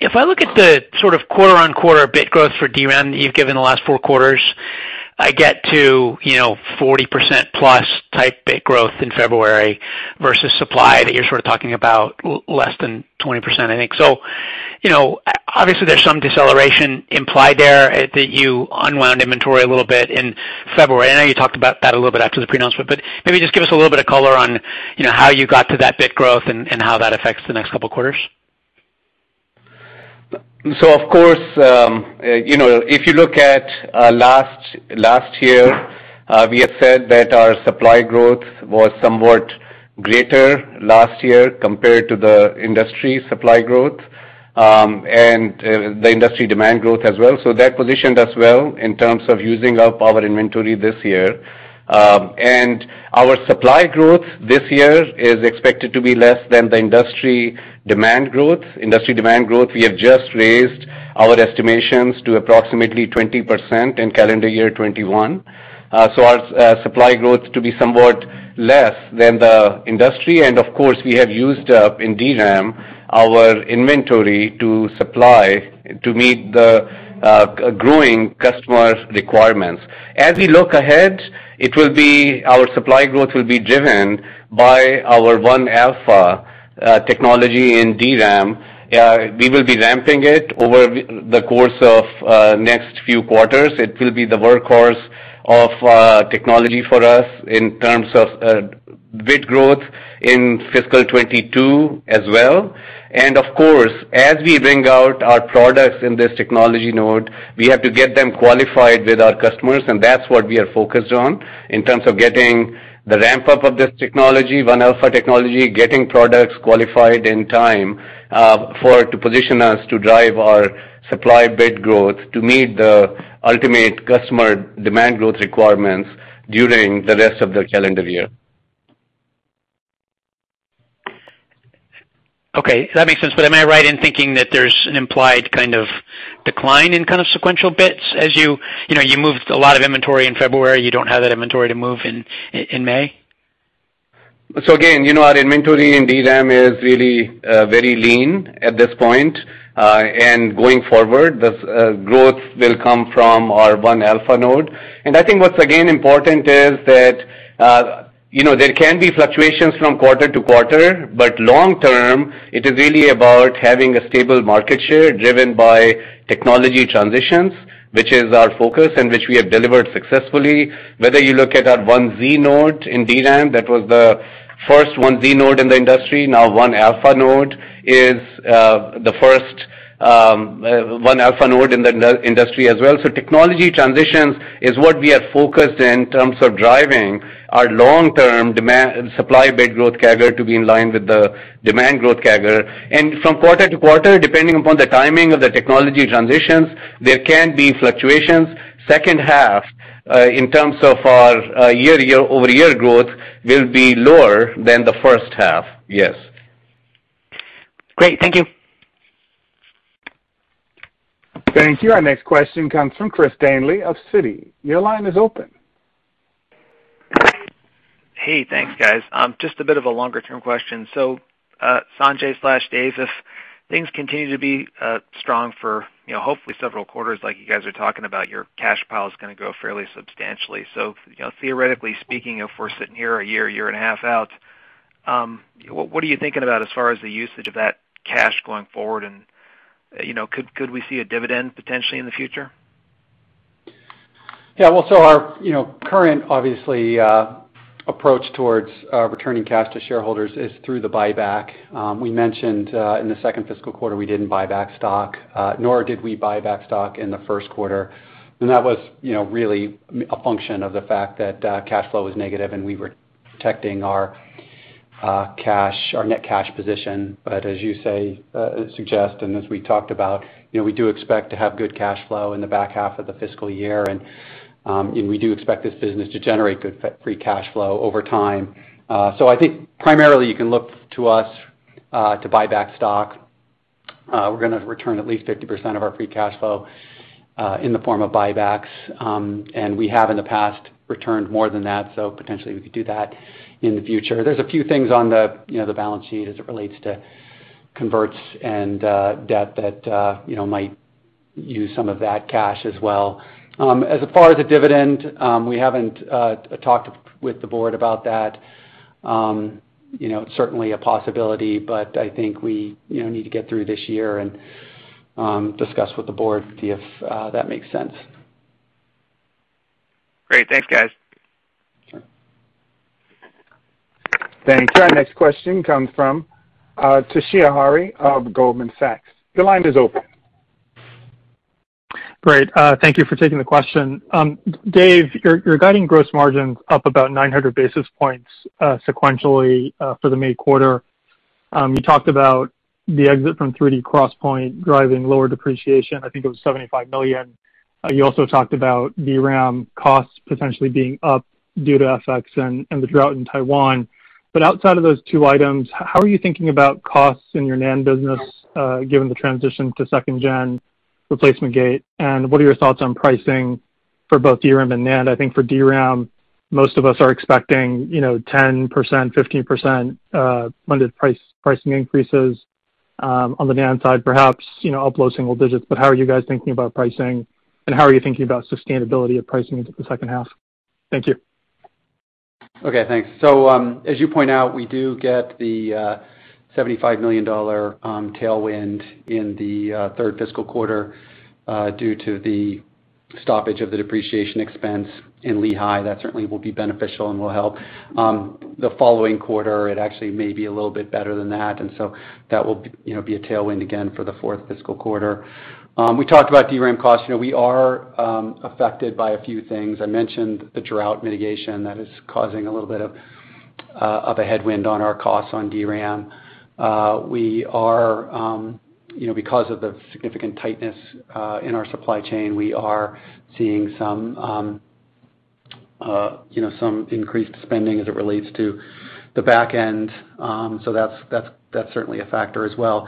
If I look at the sort of quarter-on-quarter bit growth for DRAM that you've given the last four quarters, I get to 40%+ type bit growth in February versus supply that you're sort of talking about less than 20%, I think. Obviously, there's some deceleration implied there that you unwound inventory a little bit in February. I know you talked about that a little bit after the pronouncement, but maybe just give us a little bit of color on how you got to that bit growth and how that affects the next couple of quarters. Of course, if you look at last year, we have said that our supply growth was somewhat greater last year compared to the industry supply growth, and the industry demand growth as well. That positioned us well in terms of using up our inventory this year. Our supply growth this year is expected to be less than the industry demand growth. Industry demand growth, we have just raised our estimations to approximately 20% in calendar year 2021. Our supply growth to be somewhat less than the industry, and of course, we have used up in DRAM our inventory to supply to meet the growing customer requirements. As we look ahead, our supply growth will be driven by our 1α technology in DRAM. We will be ramping it over the course of the next few quarters. It will be the workhorse of technology for us in terms of bit growth in fiscal 2022 as well. Of course, as we bring out our products in this technology node, we have to get them qualified with our customers, and that's what we are focused on in terms of getting the ramp-up of this technology, 1α technology, getting products qualified in time for it to position us to drive our supply bit growth to meet the ultimate customer demand growth requirements during the rest of the calendar year. Okay, that makes sense. Am I right in thinking that there's an implied kind of decline in kind of sequential bits as you moved a lot of inventory in February, you don't have that inventory to move in May? Again, our inventory in DRAM is really very lean at this point. Going forward, the growth will come from our 1α node. I think what's again important is that there can be fluctuations from quarter to quarter, but long term, it is really about having a stable market share driven by technology transitions, which is our focus and which we have delivered successfully. Whether you look at our 1Z node in DRAM, that was the first 1Z node in the industry. Now 1α node is the first 1α node in the industry as well. Technology transitions is what we are focused in terms of driving our long-term supply bit growth CAGR to be in line with the demand growth CAGR. From quarter to quarter, depending upon the timing of the technology transitions, there can be fluctuations. Second half, in terms of our year-over-year growth, will be lower than the first half. Yes. Great. Thank you. Thank you. Our next question comes from Chris Danely of Citi. Your line is open. Hey, thanks, guys. Just a bit of a longer-term question. Sanjay/Dave, things continue to be strong for hopefully several quarters, like you guys are talking about, your cash pile is going to grow fairly substantially. Theoretically speaking, if we're sitting here a year and a half out, what are you thinking about as far as the usage of that cash going forward? Could we see a dividend potentially in the future? Well, so our current, obviously, approach towards returning cash to shareholders is through the buyback. We mentioned in the second fiscal quarter we didn't buy back stock, nor did we buy back stock in the first quarter. That was really a function of the fact that cash flow was negative, and we were protecting our net cash position. As you suggest, and as we talked about, we do expect to have good cash flow in the back half of the fiscal year, and we do expect this business to generate good free cash flow over time. I think primarily you can look to us to buy back stock. We're going to return at least 50% of our free cash flow in the form of buybacks. We have in the past returned more than that, so potentially we could do that in the future. There's a few things on the balance sheet as it relates to converts and debt that might use some of that cash as well. As far as the dividend, we haven't talked with the board about that. It's certainly a possibility. I think we need to get through this year and discuss with the board to see if that makes sense. Great. Thanks, guys. Thanks. Our next question comes from Toshiya Hari of Goldman Sachs. Your line is open. Great. Thank you for taking the question. Dave, you're guiding gross margins up about 900 basis points sequentially for the May quarter. You talked about the exit from 3D XPoint driving lower depreciation. I think it was $75 million. You also talked about DRAM costs potentially being up due to FX and the drought in Taiwan. Outside of those two items, how are you thinking about costs in your NAND business, given the transition to second-gen replacement-gate? What are your thoughts on pricing for both DRAM and NAND? I think for DRAM, most of us are expecting 10%-15% blended pricing increases. On the NAND side, perhaps up low single digits, but how are you guys thinking about pricing and how are you thinking about sustainability of pricing into the second half? Thank you. Okay, thanks. As you point out, we do get the $75 million tailwind in the third fiscal quarter due to the stoppage of the depreciation expense in Lehi. That certainly will be beneficial and will help. The following quarter, it actually may be a little bit better than that, and so that will be a tailwind again for the fourth fiscal quarter. We talked about DRAM costs. We are affected by a few things. I mentioned the drought mitigation that is causing a little bit of a headwind on our costs on DRAM. Because of the significant tightness in our supply chain, we are seeing some increased spending as it relates to the back end. That's certainly a factor as well.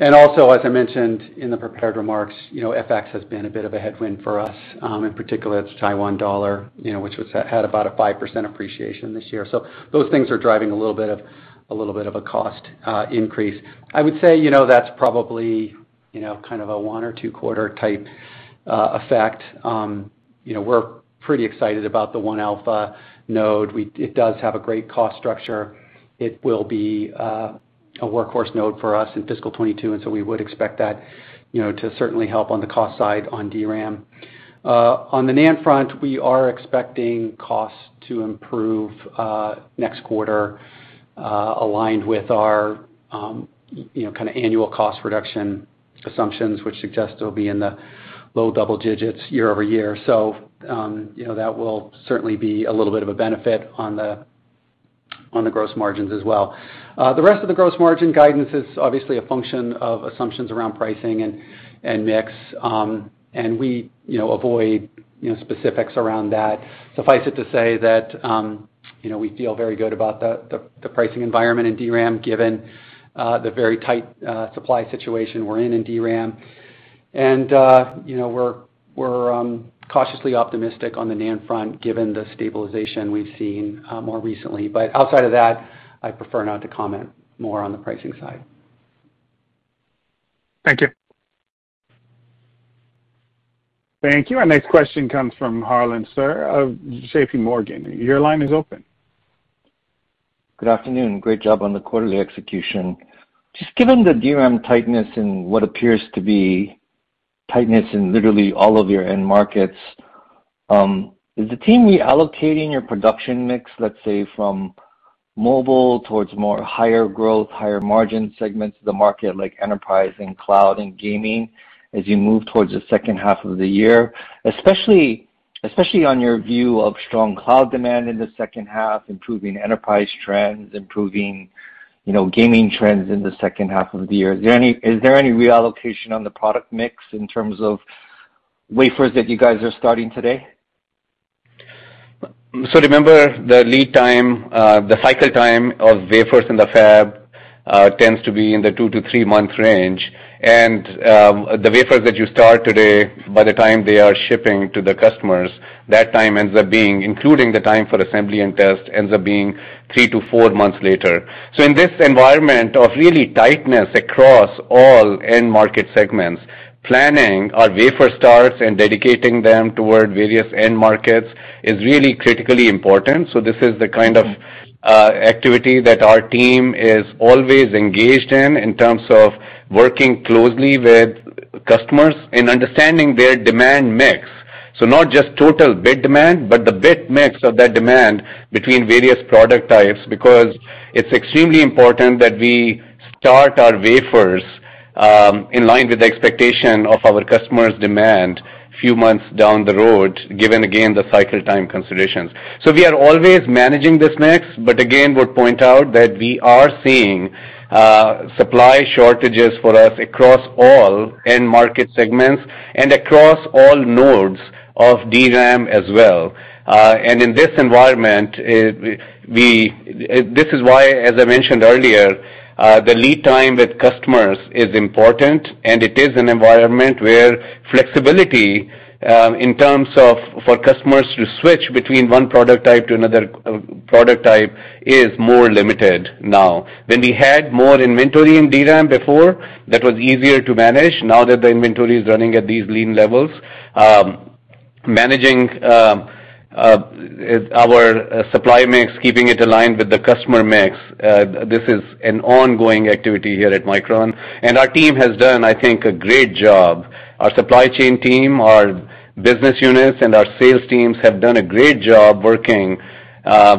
Also, as I mentioned in the prepared remarks, FX has been a bit of a headwind for us. In particular, the Taiwan dollar, which had about a 5% appreciation this year. Those things are driving a little bit of a cost increase. I would say, that's probably a one or two quarter type effect. We're pretty excited about the 1α node. It does have a great cost structure. It will be a workhorse node for us in fiscal 2022, we would expect that to certainly help on the cost side on DRAM. On the NAND front, we are expecting costs to improve, next quarter, aligned with our kind of annual cost reduction assumptions, which suggest it'll be in the low double digits year-over-year. That will certainly be a little bit of a benefit on the gross margins as well. The rest of the gross margin guidance is obviously a function of assumptions around pricing and mix. We avoid specifics around that. Suffice it to say that we feel very good about the pricing environment in DRAM, given the very tight supply situation we're in DRAM. We're cautiously optimistic on the NAND front given the stabilization we've seen more recently. Outside of that, I prefer not to comment more on the pricing side. Thank you. Thank you. Our next question comes from Harlan Sur of JPMorgan. Your line is open. Good afternoon. Great job on the quarterly execution. Just given the DRAM tightness and what appears to be tightness in literally all of your end markets, is the team reallocating your production mix, let's say, from mobile towards more higher growth, higher margin segments of the market, like enterprise and cloud and gaming, as you move towards the second half of the year, especially on your view of strong cloud demand in the second half, improving enterprise trends, improving gaming trends in the second half of the year? Is there any reallocation on the product mix in terms of wafers that you guys are starting today? Remember the lead time, the cycle time of wafers in the fab, tends to be in the two to three-month range. The wafers that you start today, by the time they are shipping to the customers, that time ends up being, including the time for assembly and test, ends up being three to four months later. In this environment of really tightness across all end market segments, planning our wafer starts and dedicating them toward various end markets is really critically important. This is the kind of activity that our team is always engaged in in terms of working closely with customers and understanding their demand mix. Not just total bit demand, but the bit mix of that demand between various product types, because it's extremely important that we start our wafers in line with the expectation of our customers' demand few months down the road, given, again, the cycle time considerations. We are always managing this mix, but again, would point out that we are seeing supply shortages for us across all end market segments and across all nodes of DRAM as well. In this environment, this is why, as I mentioned earlier, the lead time with customers is important, and it is an environment where flexibility, in terms of for customers to switch between one product type to another product type, is more limited now. When we had more inventory in DRAM before, that was easier to manage. Now that the inventory is running at these lean levels, managing our supply mix, keeping it aligned with the customer mix, this is an ongoing activity here at Micron, and our team has done, I think, a great job. Our supply chain team, our business units, and our sales teams have done a great job working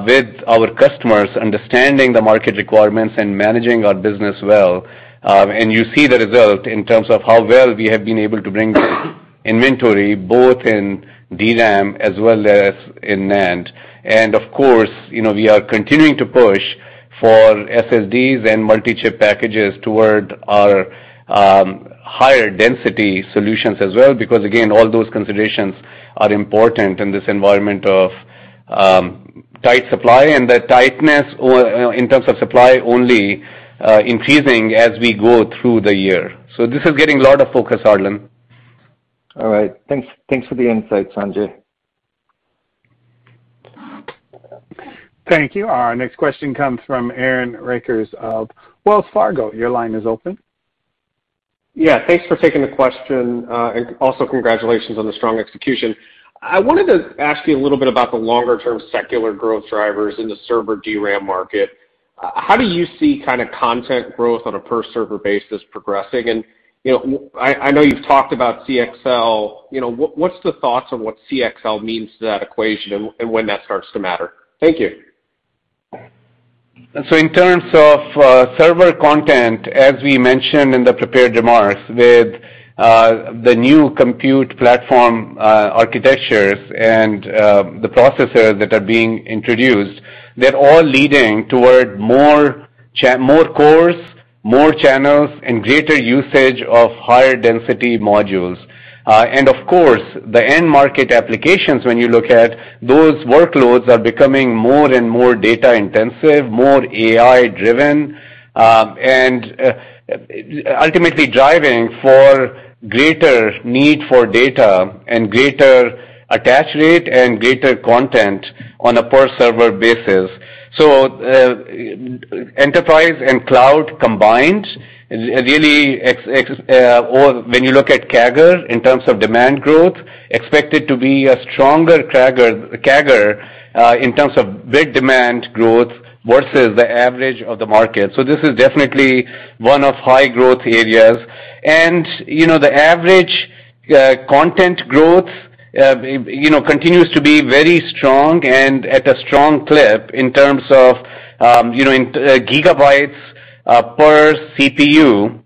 with our customers, understanding the market requirements, and managing our business well. You see the result in terms of how well we have been able to bring inventory, both in DRAM as well as in NAND. Of course, we are continuing to push for SSDs and multi-chip packages toward our higher density solutions as well, because again, all those considerations are important in this environment of tight supply, and the tightness in terms of supply only increasing as we go through the year. This is getting a lot of focus, Harlan. All right. Thanks for the insight, Sanjay. Thank you. Our next question comes from Aaron Rakers of Wells Fargo. Your line is open. Yeah, thanks for taking the question. Also, congratulations on the strong execution. I wanted to ask you a little bit about the longer-term secular growth drivers in the server DRAM market. How do you see content growth on a per-server basis progressing? I know you've talked about CXL. What's the thoughts on what CXL means to that equation and when that starts to matter? Thank you. In terms of server content, as we mentioned in the prepared remarks, with the new compute platform architectures and the processors that are being introduced, they're all leading toward more cores, more channels, and greater usage of higher density modules. Of course, the end market applications, when you look at those workloads, are becoming more and more data-intensive, more AI-driven, and ultimately driving for greater need for data and greater attach rate and greater content on a per-server basis. Enterprise and cloud combined, really, when you look at CAGR in terms of demand growth, expect it to be a stronger CAGR in terms of bit demand growth versus the average of the market. This is definitely one of high growth areas. The average content growth continues to be very strong and at a strong clip in terms of gigabytes per CPU.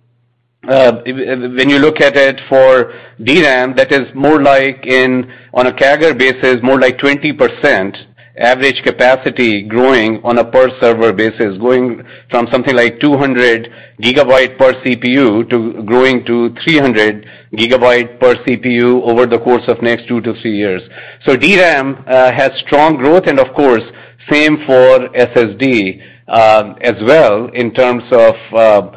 When you look at it for DRAM, that is more like, on a CAGR basis, more like 20% average capacity growing on a per-server basis, going from something like 200 GB per CPU to growing to 300 GB per CPU over the course of next two to three years. DRAM has strong growth and, of course, same for SSD as well in terms of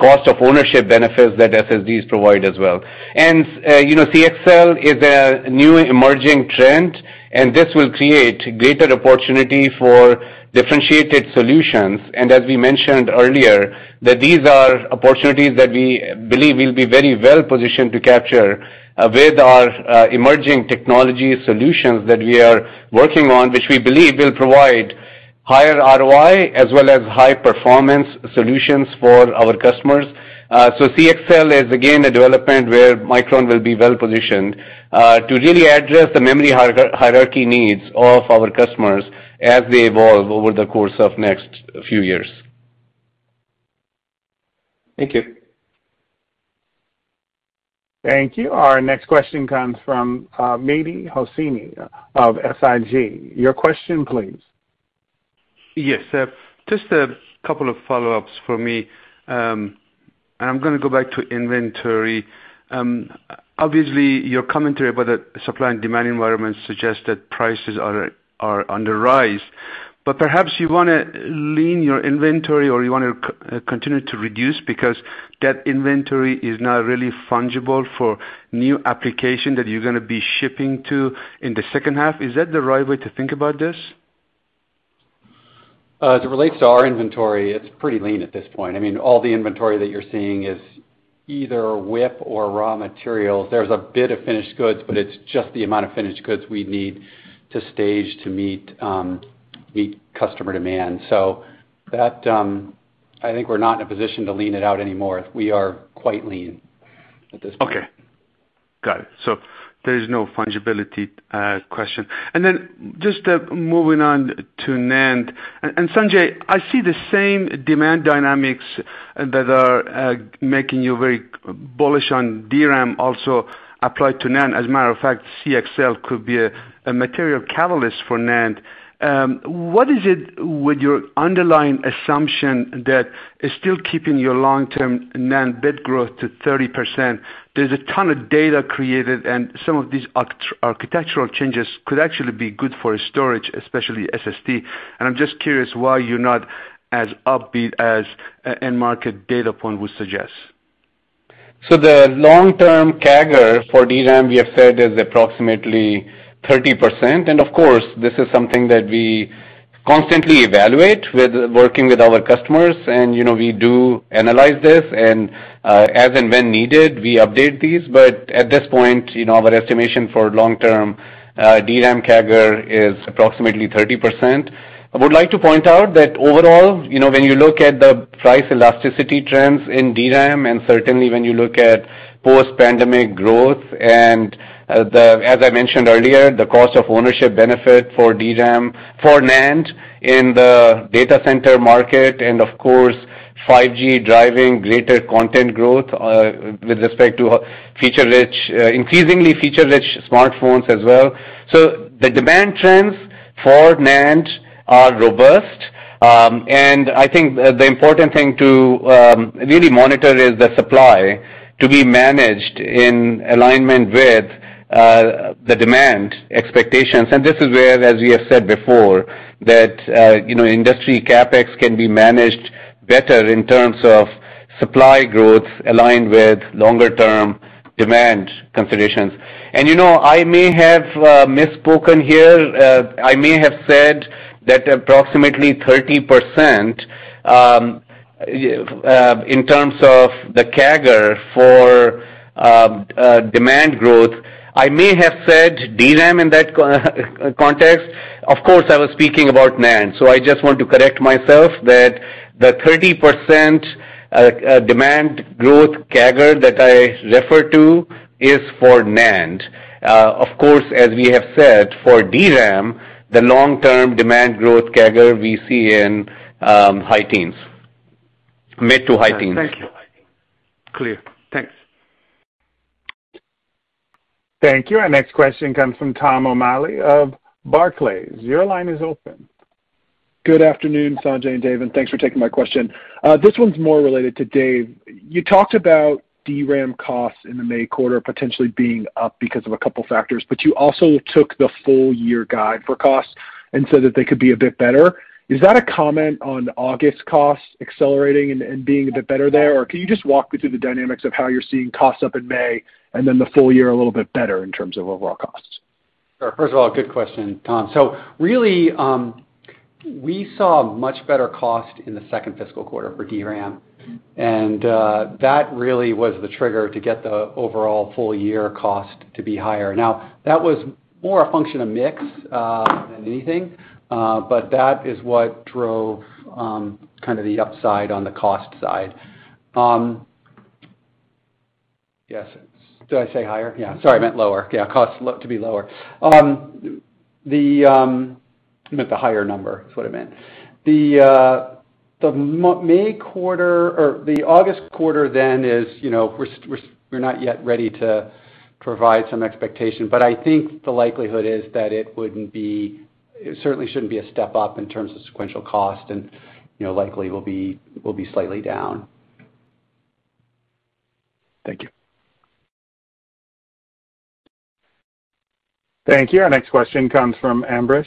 cost of ownership benefits that SSDs provide as well. CXL is a new emerging trend, and this will create greater opportunity for differentiated solutions. As we mentioned earlier, that these are opportunities that we believe we'll be very well-positioned to capture with our emerging technology solutions that we are working on, which we believe will provide higher ROI as well as high performance solutions for our customers. CXL is again a development where Micron will be well-positioned to really address the memory hierarchy needs of our customers as they evolve over the course of next few years. Thank you. Thank you. Our next question comes from Mehdi Hosseini of SIG. Your question, please. Yes, just a couple of follow-ups from me. I'm going to go back to inventory. Obviously, your commentary about the supply and demand environment suggests that prices are on the rise. Perhaps you want to lean your inventory, or you want to continue to reduce because that inventory is now really fungible for new application that you're going to be shipping to in the second half. Is that the right way to think about this? As it relates to our inventory, it's pretty lean at this point. All the inventory that you're seeing is either WIP or raw materials. There's a bit of finished goods, but it's just the amount of finished goods we need to stage to meet customer demand. That, I think we're not in a position to lean it out anymore. We are quite lean at this point. Okay. Got it. There is no fungibility question. Then just moving on to NAND. Sanjay, I see the same demand dynamics that are making you very bullish on DRAM also apply to NAND. As a matter of fact, CXL could be a material catalyst for NAND. What is it with your underlying assumption that is still keeping your long-term NAND bit growth to 30%? There's a ton of data created, and some of these architectural changes could actually be good for storage, especially SSD. I'm just curious why you're not as upbeat as end market data point would suggest. The long-term CAGR for DRAM we have said is approximately 30%. Of course, this is something that we constantly evaluate with working with our customers, and we do analyze this and, as and when needed, we update these. At this point, our estimation for long-term DRAM CAGR is approximately 30%. I would like to point out that overall, when you look at the price elasticity trends in DRAM, and certainly when you look at post-pandemic growth and, as I mentioned earlier, the cost of ownership benefit for DRAM, for NAND in the data center market and of course, 5G driving greater content growth, with respect to increasingly feature-rich smartphones as well. The demand trends for NAND are robust. I think the important thing to really monitor is the supply to be managed in alignment with the demand expectations. This is where, as we have said before, that industry CapEx can be managed better in terms of supply growth aligned with longer term demand considerations. I may have misspoken here. I may have said that approximately 30% in terms of the CAGR for demand growth, I may have said DRAM in that context. Of course, I was speaking about NAND. I just want to correct myself that the 30% demand growth CAGR that I refer to is for NAND. Of course, as we have said, for DRAM, the long-term demand growth CAGR we see in high teens. Mid to high teens. Thank you. Clear. Thanks. Thank you. Our next question comes from Tom O'Malley of Barclays. Your line is open. Good afternoon, Sanjay and Dave, and thanks for taking my question. This one's more related to Dave. You talked about DRAM costs in the May quarter potentially being up because of a couple factors. You also took the full year guide for costs and said that they could be a bit better. Is that a comment on August costs accelerating and being a bit better there? Can you just walk me through the dynamics of how you're seeing costs up in May and then the full year a little bit better in terms of overall costs? Sure. First of all, good question, Tom. Really, we saw much better cost in the second fiscal quarter for DRAM, and that really was the trigger to get the overall full-year cost to be higher. That was more a function of mix, than anything, that is what drove kind of the upside on the cost side. Yes. Did I say higher? Yeah. Sorry, I meant lower. Yeah, cost to be lower. I meant the higher number is what I meant. The August quarter is, we're not yet ready to provide some expectation, I think the likelihood is that it certainly shouldn't be a step up in terms of sequential cost and likely will be slightly down. Thank you. Thank you. Our next question comes from Ambrish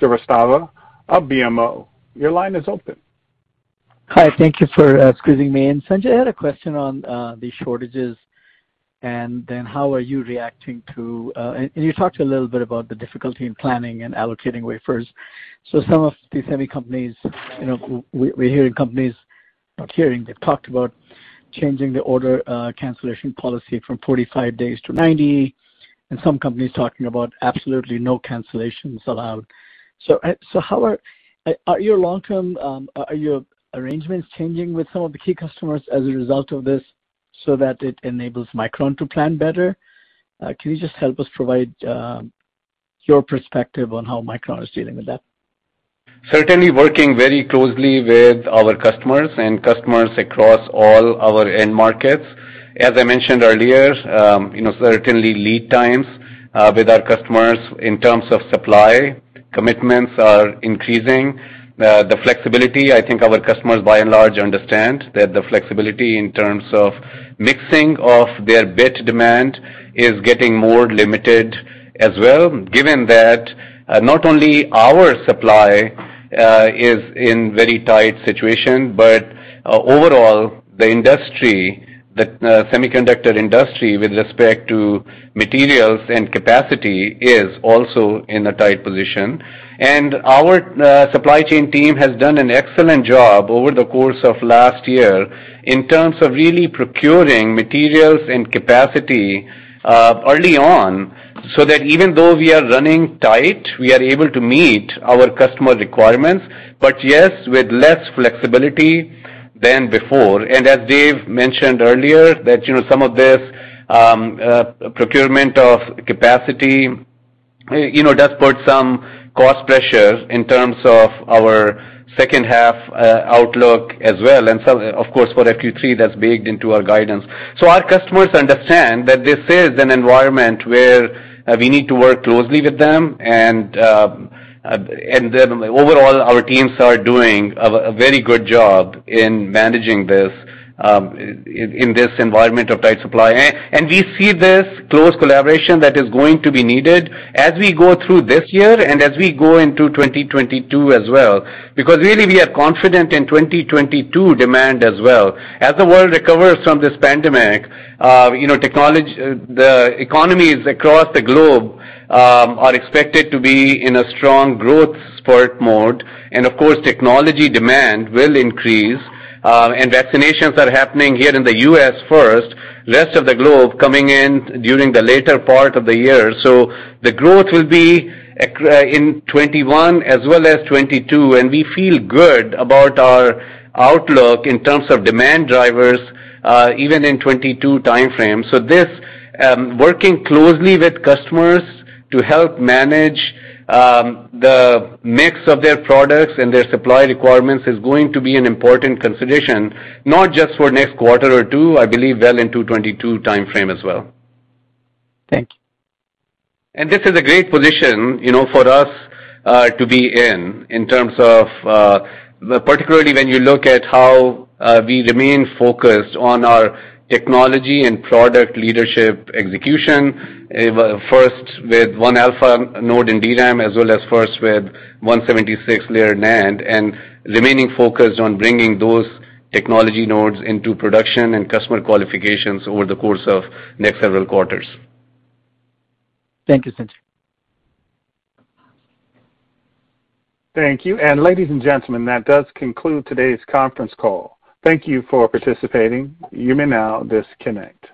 Srivastava of BMO. Your line is open. Hi, thank you for squeezing me in. Sanjay, I had a question on the shortages. You talked a little bit about the difficulty in planning and allocating wafers. Some of these semi companies, they've talked about changing the order cancellation policy from 45 days to 90, and some companies talking about absolutely no cancellations allowed. Are your arrangements changing with some of the key customers as a result of this so that it enables Micron to plan better? Can you just help us provide your perspective on how Micron is dealing with that? Certainly working very closely with our customers and customers across all our end markets. As I mentioned earlier, certainly lead times with our customers in terms of supply commitments are increasing. The flexibility, I think our customers by and large understand that the flexibility in terms of mixing of their bit demand is getting more limited as well, given that not only our supply is in very tight situation, but overall, the industry, the semiconductor industry with respect to materials and capacity, is also in a tight position. Our supply chain team has done an excellent job over the course of last year in terms of really procuring materials and capacity early on, so that even though we are running tight, we are able to meet our customer requirements. Yes, with less flexibility than before. As Dave mentioned earlier that some of this procurement of capacity does put some cost pressure in terms of our second half outlook as well, and of course, for FQ3, that's baked into our guidance. Our customers understand that this is an environment where we need to work closely with them and overall our teams are doing a very good job in managing this in this environment of tight supply. We see this close collaboration that is going to be needed as we go through this year and as we go into 2022 as well. Really we are confident in 2022 demand as well. As the world recovers from this pandemic, the economies across the globe are expected to be in a strong growth spurt mode. Of course, technology demand will increase, and vaccinations are happening here in the U.S. first, rest of the globe coming in during the later part of the year. The growth will be in 2021 as well as 2022, and we feel good about our outlook in terms of demand drivers, even in 2022 timeframe. This, working closely with customers to help manage the mix of their products and their supply requirements is going to be an important consideration, not just for next quarter or two, I believe well into 2022 timeframe as well. Thank you. This is a great position for us to be in terms of, particularly when you look at how we remain focused on our technology and product leadership execution, first with 1α node in DRAM as well as first with 176-layer NAND, and remaining focused on bringing those technology nodes into production and customer qualifications over the course of next several quarters. Thank you, Sanjay. Thank you. Ladies and gentlemen, that does conclude today's conference call. Thank you for participating. You may now disconnect.